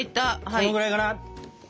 このぐらいかな。